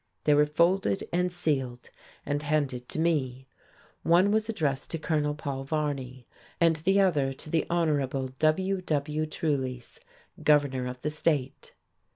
They were folded and sealed, and handed to me. One was addressed to Colonel Paul Varney, and the other to the Hon. W. W. Trulease, governor of the state.